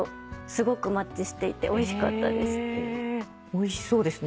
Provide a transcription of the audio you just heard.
おいしそうですね。